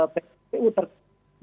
ppu terkait dengan